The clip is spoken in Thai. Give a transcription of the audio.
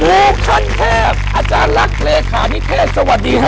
คันเทพอาจารย์ลักษณ์เลขานิเทศสวัสดีค่ะ